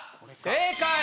正解！